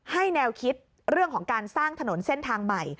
แนวคิดเรื่องของการสร้างถนนเส้นทางใหม่